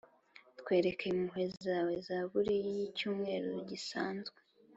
twereke impuhwe zawezaburi y’icyumweru gisanzwe